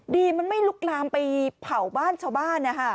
ดีมันไม่ลุกลามไปเผาบ้านชาวบ้านนะคะ